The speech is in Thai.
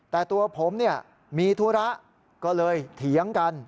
แต่ตัวผมเนี่ยมีธุระก็เลยเถียงกัน